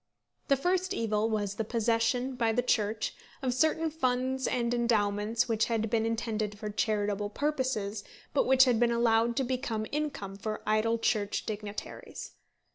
The first evil was the possession by the Church of certain funds and endowments which had been intended for charitable purposes, but which had been allowed to become incomes for idle Church dignitaries.